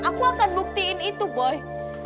aku akan buktiin itu boy